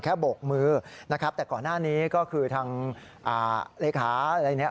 โบกมือนะครับแต่ก่อนหน้านี้ก็คือทางเลขาอะไรเนี่ย